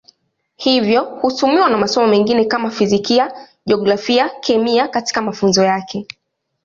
Hivyo hutumiwa na masomo mengine kama Fizikia, Jiografia, Kemia katika mafunzo yake.